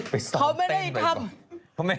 เขาไม่ได้ทำ